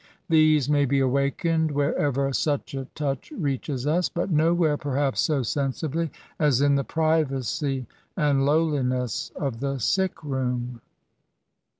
These may be awakened wherever such a touch GAINS AND PRIVILEOES. 209 breaches us ; but nowhere perhaps so sensibly as in the privacy and lowliness of the sick room.